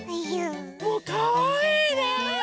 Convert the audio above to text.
もうかわいいね！